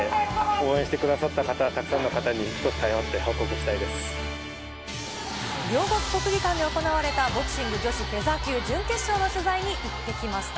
応援してくださった方、たくさんの方に、とったよって、報告した両国国技館で行われた、ボクシング女子フェザー級準決勝の試合に行ってきました。